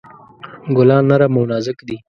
ګلان نرم او نازک دي.